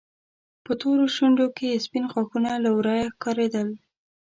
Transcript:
په تورو شونډو کې يې سپين غاښونه له ورايه ښکارېدل.